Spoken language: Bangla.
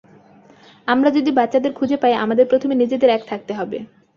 আমরা যদি বাচ্চাদের খুঁজে পাই, আমাদের প্রথমে নিজেদের এক থাকতে হবে।